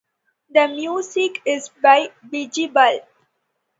The music is by Bijibal.